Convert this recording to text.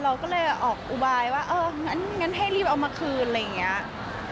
เราก็เลยออกอุบายว่าเอองั้นให้รีบเอามาคืนอะไรอย่างนี้